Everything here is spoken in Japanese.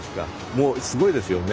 もうすごいですよね